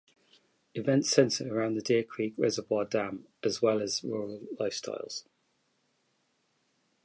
Events center around the Deercreek reservoir dam as well as rural lifestyles.